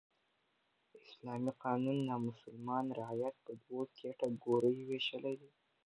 اسلامي قانون نامسلمان رعیت په دوو کېټه ګوریو ویشلى دئ.